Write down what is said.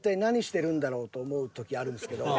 時あるんですけど。